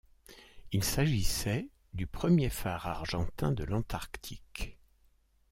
Il s'agissait du premier phare argentin de l'Antarctique.